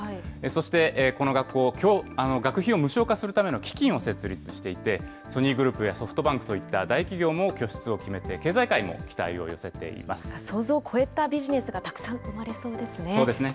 そして、この学校、学費を無償化するための基金を設立していて、ソニーグループやソフトバンクといった大企業も拠出を決めて、経想像を超えたビジネスがたくそうですね。